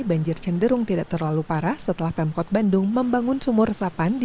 banjir cenderung tidak terlalu parah setelah pemkot bandung membangun sumur resapan di